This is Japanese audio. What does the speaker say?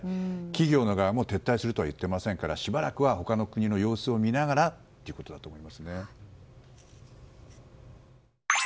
企業の側も撤退するとは言っていませんからしばらくは他の国の様子を見ながらということだと思いますね。